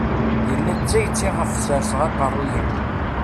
Yella d tayet iɣef serseɣ aqerruy-iw.